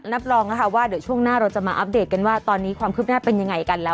รับรองนะคะว่าเดี๋ยวช่วงหน้าเราจะมาอัปเดตกันว่าตอนนี้ความคืบหน้าเป็นยังไงกันแล้ว